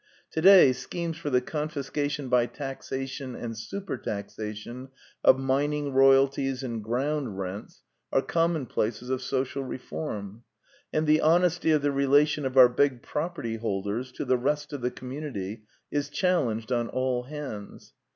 Today schemes for the confiscation by taxation and supertaxation of mining royalties and ground rents are common places of social reform; and the honesty of the relation of our big property holders to the rest of the community is challenged on all hands.